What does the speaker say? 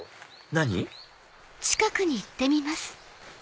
何？